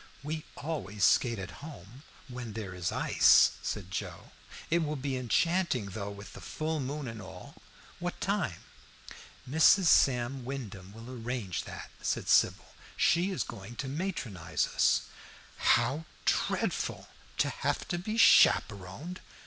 "We always skate at home, when there is ice," said Joe. "It will be enchanting though, with the full moon and all. What time?" "Mrs. Sam Wyndham will arrange that," said Sybil. "She is going to matronize us." "How dreadful, to have to be chaperoned!"